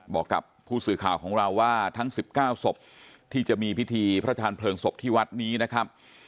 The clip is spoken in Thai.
บอกกับผู้สื่อข่าวของเราว่าทั้ง๑๙ศพที่จะมีพิธีพระทานเพลิงศพที่วัดนี้นะครับ